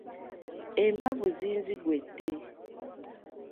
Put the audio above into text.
Enbavu zinziggwedde.